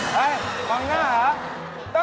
เฮ้ยอย่างหน้าหรือ